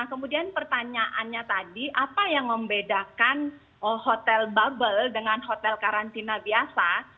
nah kemudian pertanyaannya tadi apa yang membedakan hotel bubble dengan hotel karantina biasa